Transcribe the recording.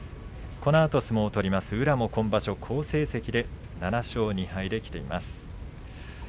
このあと相撲を取る宇良も好成績で７勝２敗できています。